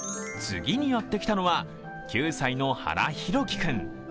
次にやってきたのは９歳の原拓生君。